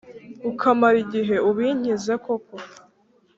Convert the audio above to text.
Ukamara igihe ubinkinze koko